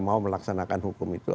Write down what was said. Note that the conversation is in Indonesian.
mau melaksanakan hukum itu